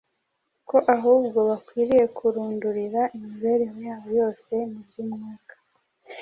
ko ahubwo bakwiriye kurundurira imibereho yabo yose mu by’Umwuka